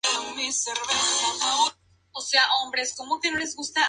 De ahí fue a estudiar filosofía y ciencias naturales en la Universidad de Jena.